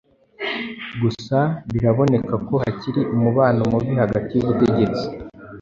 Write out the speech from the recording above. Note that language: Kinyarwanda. Gusa biraboneka ko hakiri umubano mubi hagati y'ubutegetsi